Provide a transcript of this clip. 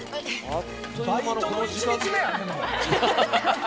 バイトの１日目やね。